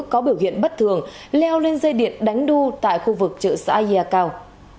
có biểu hiện bất thường leo lên dây điện đánh đu tại khu vực chợ xã yà cao